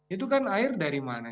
itu kan air dari mana